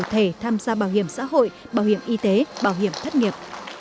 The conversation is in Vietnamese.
thể tham gia bảo hiểm xã hội bảo hiểm y tế bảo hiểm thất nghiệp